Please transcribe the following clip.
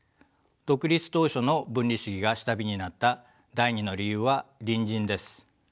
独立当初の分離主義が下火になった第２の理由は隣人です。